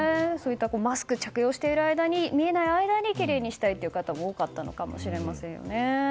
マスクを着用している間に見えない間にきれいにしたいという方も多かったかもしれませんよね。